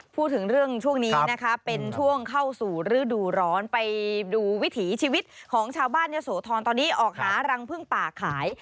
พูดถึงเรื่องช่วงนี้นะคะเป็นช่วงเข้าสู่ฤดูร้อนไปดูวิถีชีวิตของชาวบ้านเยอะโสธรตอนนี้ออกหารังพึ่งป่าขาย